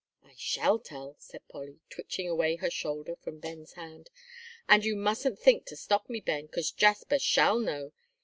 "I shall tell," said Polly, twitching away her shoulder from Ben's hand, "and you mustn't think to stop me, Ben, 'cause Jasper shall know.